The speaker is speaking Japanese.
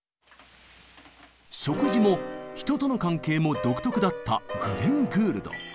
食事も人との関係も独特だったグレン・グールド。